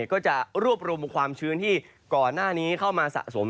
ก็จะรวบรวมความชื้นที่ก่อนหน้านี้เข้ามาสะสม